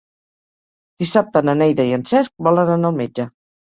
Dissabte na Neida i en Cesc volen anar al metge.